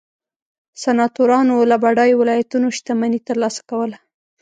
سناتورانو له بډایو ولایتونو شتمني ترلاسه کوله